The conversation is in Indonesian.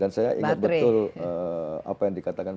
saya ingat betul apa yang dikatakan